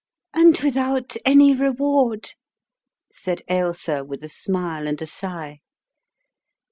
"And without any reward!" said Ailsa with a smile and a sigh.